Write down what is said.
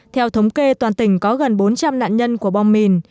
theo thống kê toàn tỉnh có gần bốn trăm linh nạn nhân của bom mìn